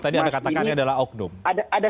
tadi anda katakan ini adalah oknum ada